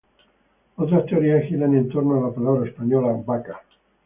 Otras teorías giran en torno a la palabra española Vaca.